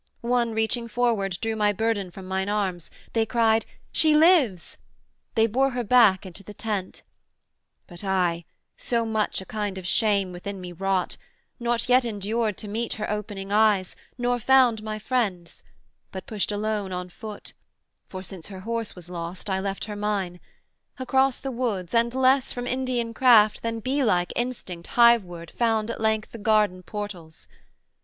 One reaching forward drew My burthen from mine arms; they cried 'she lives:' They bore her back into the tent: but I, So much a kind of shame within me wrought, Not yet endured to meet her opening eyes, Nor found my friends; but pushed alone on foot (For since her horse was lost I left her mine) Across the woods, and less from Indian craft Than beelike instinct hiveward, found at length The garden portals.